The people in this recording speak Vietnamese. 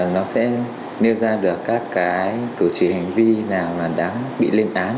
nó sẽ nêu ra được các cái cử chỉ hành vi nào là đáng bị lên án